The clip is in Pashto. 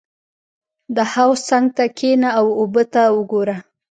• د حوض څنګ ته کښېنه او اوبه ته وګوره.